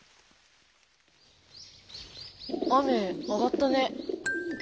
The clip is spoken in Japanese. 雨あがったね。